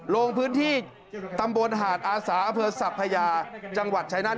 โรงพื้นที่ตำบลหาดอาสาเผือศัพท์พญาจังหวัดชายนั้น